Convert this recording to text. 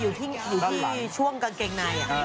อยู่ที่ช่วงกางเกงใน